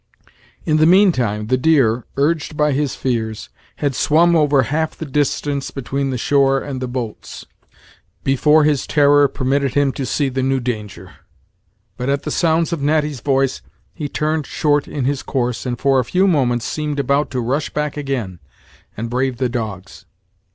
In the mean time the deer, urged by his fears, had swum over half the distance between the shore and the boats, before his terror permitted him to see the new danger. But at the sounds of Natty's voice, he turned short in his course and for a few moments seemed about to rush back again, and brave the dogs.